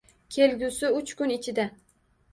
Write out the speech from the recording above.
Kelgusi uch kun ichida